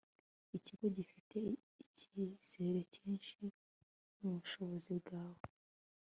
Ikigo gifite ikizere cyinshi mubushobozi bwawe